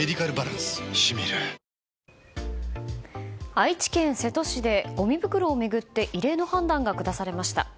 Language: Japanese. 愛知県瀬戸市でごみ袋を巡って異例の判断が下されました。